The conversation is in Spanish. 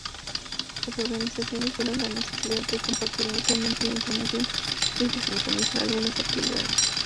Las organizaciones vieron la necesidad de compartir mutuamente información y de sincronizar algunas actividades.